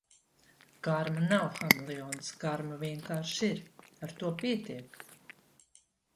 Karma nav hameleons, karma vienkārši ir. Ar to pietiek!